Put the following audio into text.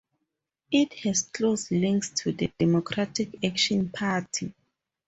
It has close links to the Democratic Action party.